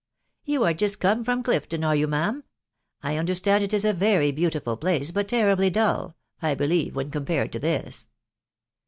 " You are just come from Clifton, are you, ma'am ?...• I understand it is a very beautiful place, but terribly dull, I believe, when compared to this.